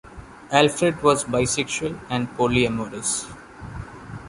Alfred was bisexual and polyamorous.